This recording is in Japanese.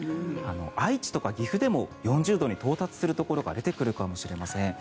愛知とか岐阜でも４０度に到達するところが出てくるかもしれません。